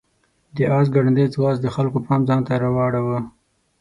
د آس ګړندی ځغاست د خلکو پام ځان ته راواړاوه.